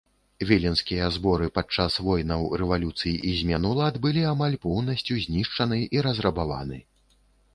Віленскія зборы падчас войнаў, рэвалюцый і змен улад былі амаль поўнасцю знішчаны і разрабаваны.